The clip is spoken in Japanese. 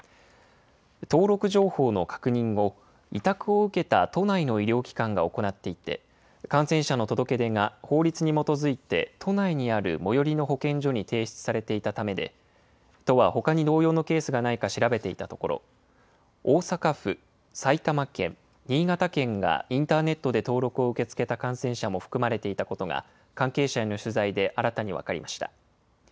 登録情報の確認を委託を受けた都内の医療機関が行っていて、感染者の届け出が法律に基づいて、都内にある最寄りの保健所に提出されていたためで、都は、ほかに同様のケースがないか調べていたところ、大阪府、埼玉県、新潟県がインターネットで登録を受け付けた感染者も含まれていたことが、関係者への取材で新たに分かりました。